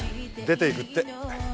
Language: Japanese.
出ていくって。